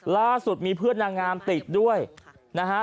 ล่าสุดมีเพื่อนนางงามติดด้วยนะฮะ